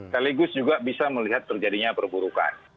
sekaligus juga bisa melihat terjadinya perburukan